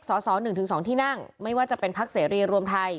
สส๑๒ที่นั่งไม่ว่าจะเป็นพักเสรีรวมไทย